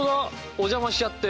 お邪魔しちゃって。